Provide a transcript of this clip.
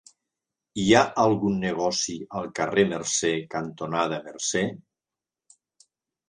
Hi ha algun negoci al carrer Mercè cantonada Mercè?